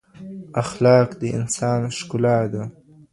اخلاق د انسان ښکلا ده.